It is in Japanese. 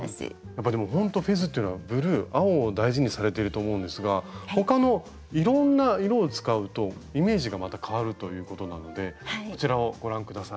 やっぱほんとフェズっていうのはブルー青を大事にされていると思うんですが他のいろんな色を使うとイメージがまた変わるということなのでこちらをご覧下さい。